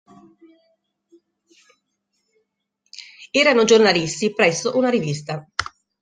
Erano giornalisti presso una rivista.